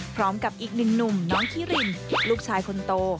พร้อมกับอีกหนึ่งหนุ่มน้องคิรินลูกชายคนโต